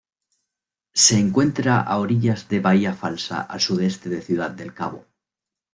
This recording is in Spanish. Se encuentra a orillas de Bahía Falsa, al sudeste de Ciudad del Cabo.